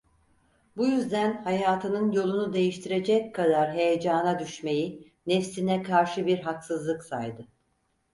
Bu yüzden hayatının yolunu değiştirecek kadar heyecana düşmeyi nefsine karşı bir haksızlık saydı.